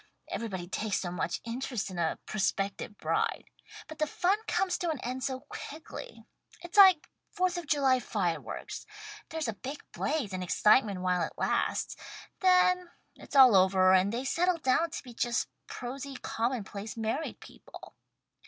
Everybody takes so much interest in a prospective bride. But the fun comes to an end so quickly. It's like Fourth of July fire works. There's a big blaze and excitement while it lasts. Then it's all over and they settle down to be just prosy common place married people.